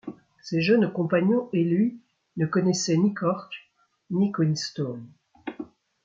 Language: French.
Ses jeunes compagnons et lui ne connaissaient ni Cork. .. ni Queenstown. ..